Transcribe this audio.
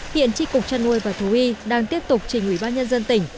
hiện tri cục chăn nuôi và thú y đang tiếp tục trình ủy ban nhân dân tỉnh